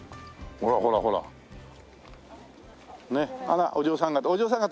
あらお嬢さん方